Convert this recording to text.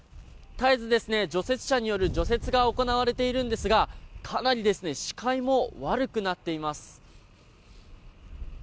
絶えず、除雪車による除雪が行われているんですがかなり視界も悪くなっています。